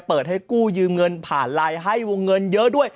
เปิดให้กู้ยืมเงินผ่านไลน์ให้วงเงินเยอะด้วย